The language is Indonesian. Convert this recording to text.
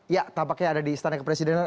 ya tampaknya ada di istana kepresidenan